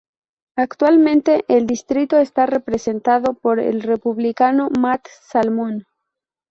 Actualmente el distrito está representado por el Republicano Matt Salmon.